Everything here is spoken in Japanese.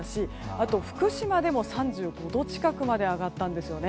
あと、福島でも３５度近くまで上がったんですよね。